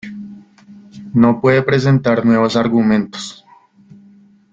No puede presentar nuevos argumentos.